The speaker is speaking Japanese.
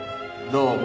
どうも。